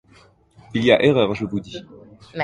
Il y a erreur, je vous dis.